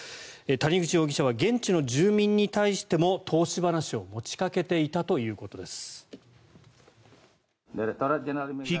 谷口容疑者は現地の住民に対しても投資話を持ちかけていたということです。